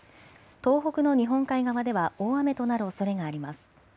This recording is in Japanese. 東北の日本海側では大雨となるおそれがあります。